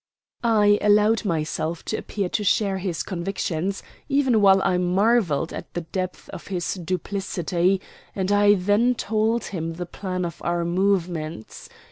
I allowed myself to appear to share his convictions, even while I marvelled at the depth of his duplicity, and I then told him the plan of our movements.